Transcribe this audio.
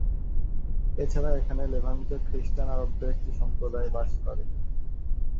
এছাড়া এখানে লেভান্তীয় খ্রিস্টান আরবদের একটি সম্প্রদায় বাস করে।